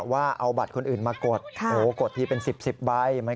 ว่าเอาบัตรคนอื่นมากดกดทีเป็น๑๐๑๐ใบ